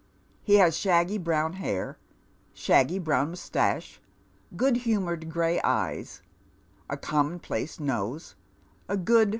He has shaggy brown hair, shaggy brown moustache, good humoured gray eyes, a common piaoe nose, a goo"i.